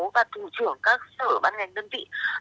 và thủ trưởng các sở bán ngành đơn vị